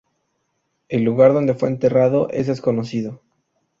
El lugar donde fue enterrado es desconocido.